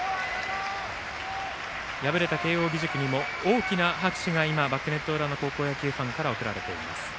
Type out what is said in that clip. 敗れた慶応義塾にも多くの拍手がバックネット裏の高校野球ファンから送られています。